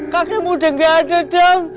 kakekmu udah gak ada adam